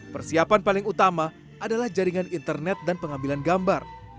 persiapan paling utama adalah jaringan internet dan pengambilan gambar